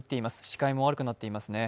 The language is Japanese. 視界も悪くなっていますね。